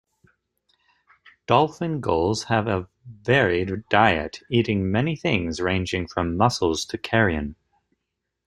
Dolphin gulls have a varied diet, eating many things ranging from mussels to carrion.